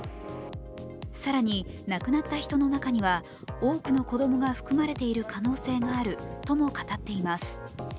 更に亡くなった人の中には多くの子供が含まれている可能性があるとも語っています。